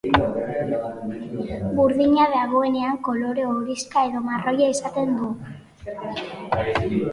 Burdina dagoenean kolore horixka edo marroixka izaten du.